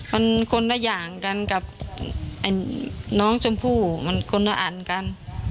มันคนละอย่างกันกับไอ้น้องชมพู่มันคนละอันกัน